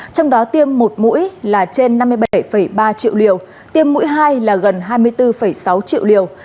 trong đó tiêm một mũi là trên năm mươi bảy ba triệu liều tiêm mũi hai là gần hai mươi bốn sáu triệu liều